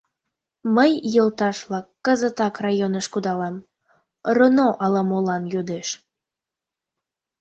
Мый, йолташ-влак, кызытак районыш кудалам, роно ала-молан йодеш.